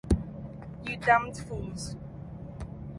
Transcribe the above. You damned fools.